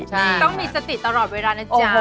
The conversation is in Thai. ต้องมีสติตลอดเวลานะจ๊ะ